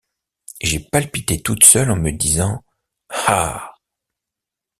J’ai palpité toute seule en me disant: — Ah!